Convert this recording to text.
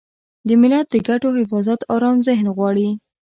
د ملت د ګټو حفاظت ارام ذهن غواړي.